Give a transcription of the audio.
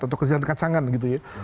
atau kejahatan kacangan gitu ya